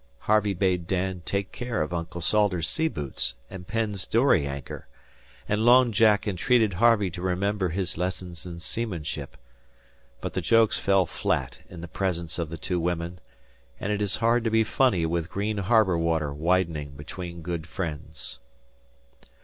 Harvey bade Dan take care of Uncle Salters's sea boots and Penn's dory anchor, and Long Jack entreated Harvey to remember his lessons in seamanship; but the jokes fell flat in the presence of the two women, and it is hard to be funny with green harbour water widening between good friends.